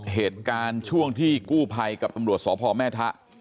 เหตุการณ์ช่วงที่กู้ภัยกับตำรวจสพแม่ทะ